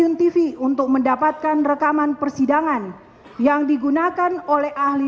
kepada beberapa stasiun tv untuk mendapatkan rekaman persidangan yang digunakan oleh ahli